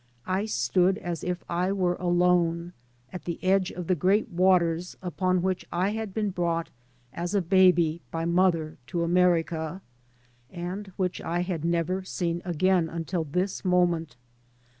I stood as if I were alone, at the edge of the great waters upon which I had been brought as a baby by mother to America, and which I had never seen again until this moment.